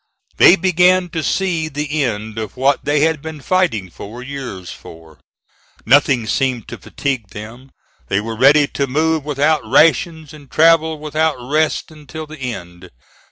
They began to see the end of what they had been fighting four years for. Nothing seemed to fatigue them. They were ready to move without rations and travel without rest until the end.